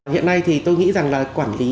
hiện nay thì tôi nghĩ rằng là quản lý